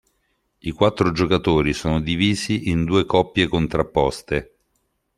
I quattro giocatori sono divisi in due coppie contrapposte.